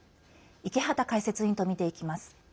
池畑解説委員と見ていきます。